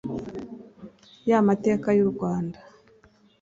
ya mateka yu rwanda,